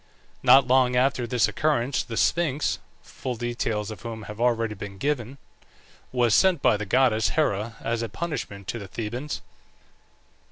Not long after this occurrence the Sphinx (full details of whom have already been given) was sent by the goddess Hera as a punishment to the Thebans.